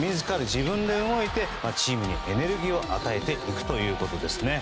自分で動いてチームにエネルギーを与えていくということですね。